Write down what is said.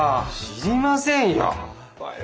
知りませんよ。